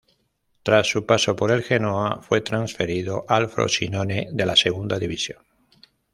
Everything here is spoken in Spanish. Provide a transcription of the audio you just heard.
Tras su paso por el Genoa fue transferido al Frosinone de la segunda división.